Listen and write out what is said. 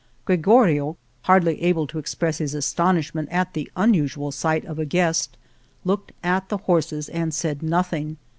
Gregorio, hardly able to express his astonishment at the unusual sight of a guest, looked at the horses and said nothing.